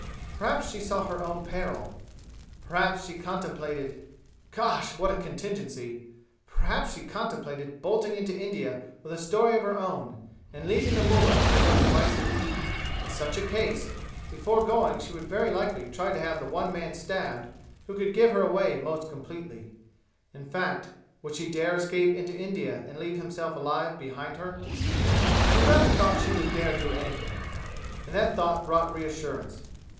Perhaps she saw her own peril. Perhaps she contemplated gosh! what a contingency! perhaps she contemplated bolting into India with a story of her own, and leaving the mullah to his own devices! In such a case, before going she would very likely try to have the one man stabbed who could give her away most completely. In fact, would she dare escape into India and leave himself alive behind her? He rather thought she would dare do anything. And that thought brought reassurance.